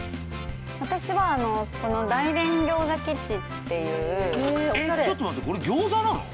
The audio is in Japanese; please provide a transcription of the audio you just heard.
私はこの大連餃子基地っていうえちょっと待ってこれ餃子なの？